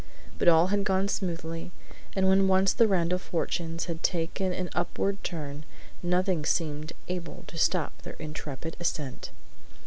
But all had gone smoothly; and when once the Randall fortunes had taken an upward turn nothing seemed able to stop their intrepid ascent.